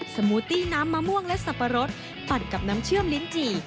สมูตี้น้ำมะม่วงและสับปะรดปั่นกับน้ำเชื่อมลิ้นจี่